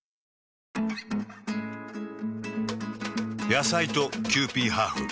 野菜とキユーピーハーフ。